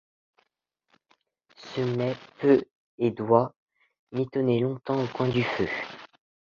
Ce mets peut, et doit, mitonner longtemps au coin du feu.